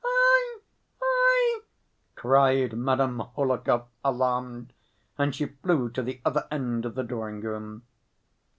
"Aie! Aie!" cried Madame Hohlakov, alarmed, and she flew to the other end of the drawing‐room.